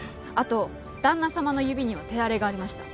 後旦那様の指には手荒れがありました。